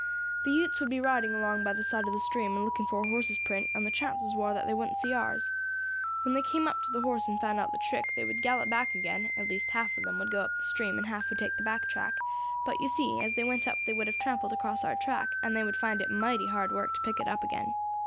"The Utes would be riding along by the side of the stream and looking for a horse's print, and the chances war that they wouldn't see ours. When they came up to the horse and found out the trick, they would gallop back again; at least half of them would go up the stream and half would take the back track; but, you see, as they went up they would have trampled across our track, and they would find it mighty hard work to pick it up again.